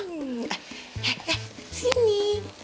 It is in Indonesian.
eh eh eh sini